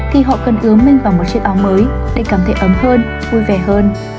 thì họ cần ướm mình vào một chiếc áo mới để cảm thấy ấm hơn vui vẻ hơn